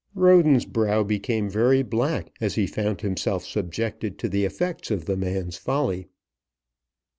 Roden's brow became very black as he found himself subjected to the effects of the man's folly.